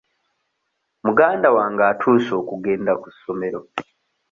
Muganda wange atuuse okugenda ku ssomero.